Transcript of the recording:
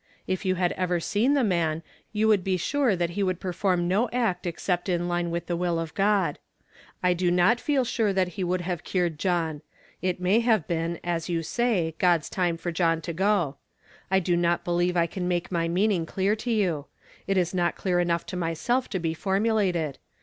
If you had ever seen the man, you would be sure that he would perform no act except in line with the will of God. I do not feel sure that he would have cured John. It may have been, as you say, God's time for John to go. I do not believe I can make my meaning clear to you ; it is not clear enough to myself to be formulated.